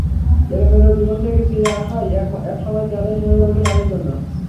এলোমেলো জীবন থেকে ফিরে আসাই একসময় চ্যালেঞ্জ হয়ে ওঠে তাদের জন্য।